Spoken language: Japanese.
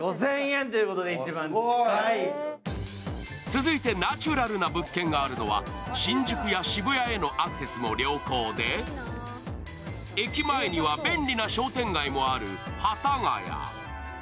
続いて、ナチュラルな物件があるのは、新宿や渋谷へのアクセスも良好で駅前には便利な商店街もある幡ヶ谷。